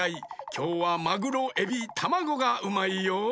きょうはマグロエビタマゴがうまいよ。